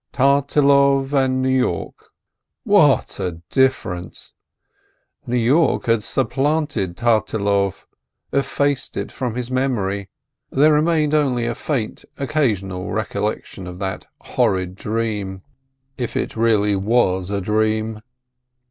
Tartilov and New York — what a differ ence ! New York had supplanted Tartilov, effaced it from his memory. There remained only a faint occa sional recollection of that horrid dream. If it really was a dream!